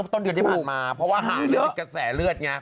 ต้นเดือนที่ผ่านมาเพราะว่าหาเรื่องกระแสเลือดไง